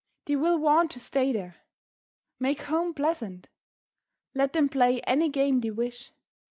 They will want to stay there. Make home pleasant. Let them play any game they wish.